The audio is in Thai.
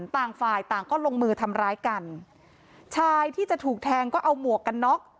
ต่างฝ่ายต่างก็ลงมือทำร้ายกันชายที่จะถูกแทงก็เอาหมวกกันน็อก